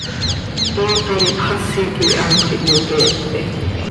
Tootar ipxasi quih anxö iyoqueepe.